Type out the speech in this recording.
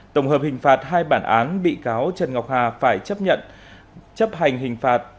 tổng hợp hình phạt hai bản án bị cáo trần ngọc hà phải chấp nhận chấp hành hình phạt